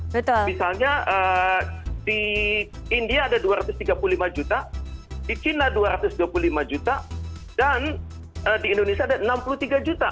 misalnya di india ada dua ratus tiga puluh lima juta di china dua ratus dua puluh lima juta dan di indonesia ada enam puluh tiga juta